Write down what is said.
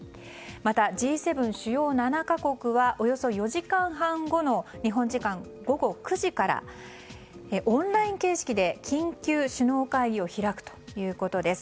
また、Ｇ７・主要７か国はおよそ４時間半後の日本時間午後９時からオンライン形式で緊急首脳会議を開くということです。